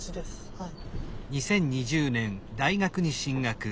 はい。